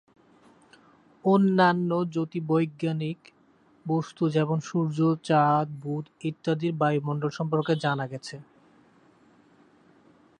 অন্যান্য জ্যোতির্বৈজ্ঞানিক বস্তু যেমন সূর্য, চাঁদ, বুধ ইত্যাদির বায়ুমণ্ডল সম্পর্কে জানা গেছে।